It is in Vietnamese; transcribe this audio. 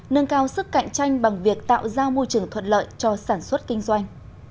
nâng cao sức cạnh tranh bằng việc tạo ra môi trường thuận lợi cho sản xuất kinh doanh